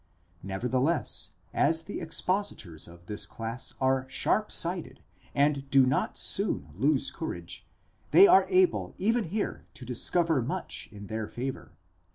Never theless, as the expositors of this class are sharp sighted, and do not soon lose courage, they are able even here to discover much in their favour.